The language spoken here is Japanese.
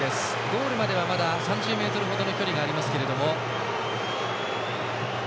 ゴールまではまだ３０ｍ程の距離があります。